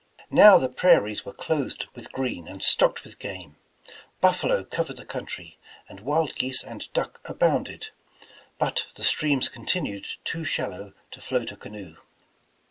Now the prairies were clothed with green and stocked with game. Buffalo covered the country, and wild geese and duck abounded, but the streams continued too shallow to float a canoe.